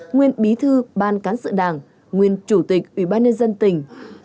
nguyên bí thư ban cán sự đảng nguyên chủ tịch ủy ban nhân dân tỉnh